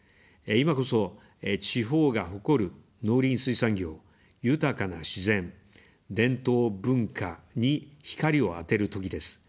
今こそ、地方が誇る農林水産業、豊かな自然、伝統・文化に光を当てるときです。